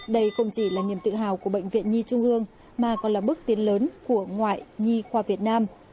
đây không chỉ là niềm tự hào của bệnh viện nhi trung ương mà còn là bước tiến lớn của ngoại nhi khoa việt nam